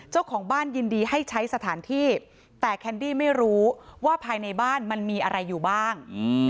เจ้าของบ้านยินดีให้ใช้สถานที่แต่แคนดี้ไม่รู้ว่าภายในบ้านมันมีอะไรอยู่บ้าง